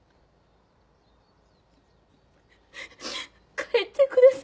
帰ってください。